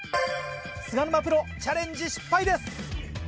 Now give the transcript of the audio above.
菅沼プロチャレンジ失敗です。